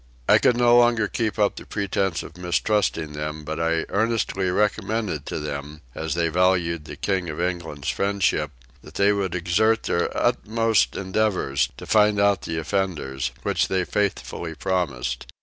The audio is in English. I could no longer keep up the appearance of mistrusting them, but I earnestly recommended to them, as they valued the King of England's friendship, that they would exert their utmost endeavours to find out the offenders, which they faithfully promised.